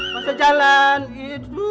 masa jalan itu